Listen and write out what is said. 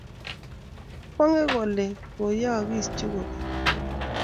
akwonge wele kiyookis chuk kobek.